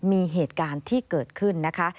มีเหตุการณ์ที่เกิดขึ้นนะคะ